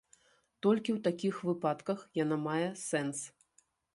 Толькі ў такіх выпадках яна мае сэнс.